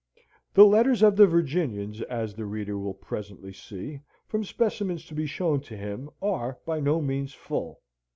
The letters of the Virginians, as the reader will presently see, from specimens to be shown to him, are by no means full.